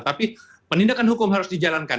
tapi penindakan hukum harus dijalankan